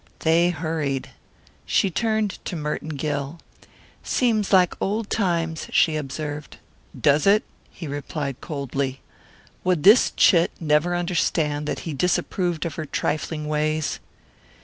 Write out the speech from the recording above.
They hurried. She turned to Merton Gill. "Seems like old times," she observed. "Does it?" he replied coldly. Would this chit never understand that he disapproved of her trifling ways?